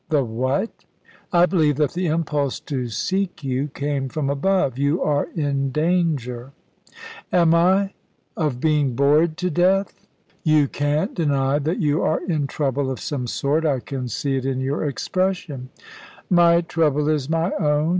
"The what?" "The Divine Spirit," he repeated, firmly and seriously. "I believe that the impulse to seek you came from above. You are in danger." "Am I of being bored to death?" "You can't deny that you are in trouble of some sort. I can see it in your expression." "My trouble is my own.